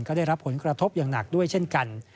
ก็ได้รับผลกระทบอย่างหนักด้วยเช่นกัน